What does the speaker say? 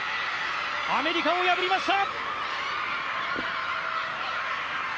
アメリカを破りました。